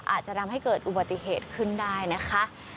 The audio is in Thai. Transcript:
อาจจะทำให้เกิดอุบัติเหตุขึ้นได้นะคะ